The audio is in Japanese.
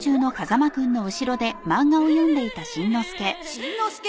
しんのすけ